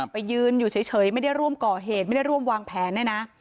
ไปยืนอยู่เฉยไม่ได้ร่วมก่อเหตุไม่ได้ร่วมวางแผนเนี่ยนะ